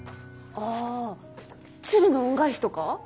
あ「鶴の恩返し」とか？